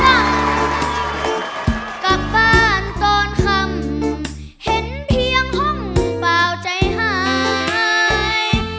ที่ตกล่ำกลับบ้านต้นคำเห็นเพียงห้องเปล่าใจหาย